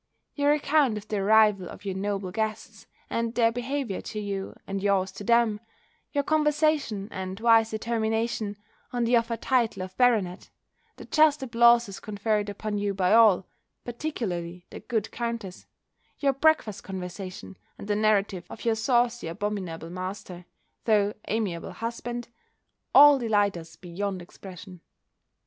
Your account of the arrival of your noble guests, and their behaviour to you, and yours to them; your conversation, and wise determination, on the offered title of Baronet; the just applauses conferred upon you by all, particularly the good countess; your breakfast conversation, and the narrative of your saucy abominable master, though amiable husband; all delight us beyond expression.